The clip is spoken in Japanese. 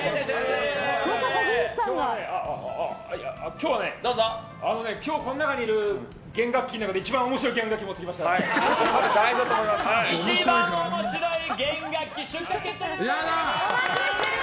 今日はね、今日この中にいる弦楽器の中で一番面白い弦楽器を一番面白い弦楽器出荷決定でございます！